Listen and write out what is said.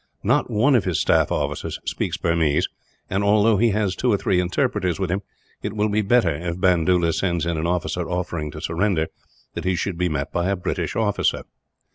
Not one of his staff officers speaks Burmese and, although he has two or three interpreters with him, it will be better, if Bandoola sends in an officer offering to surrender, that he should be met by a British officer.